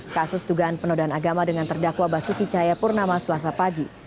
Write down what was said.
kasus dugaan penodaan agama dengan terdakwa basuki cahayapurnama selasa pagi